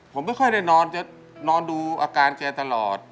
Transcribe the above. ผมไม่ค่อยได้นอนจะนอนดูอาการแกตลอด